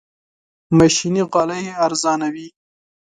ماشيني غالۍ ارزانه وي.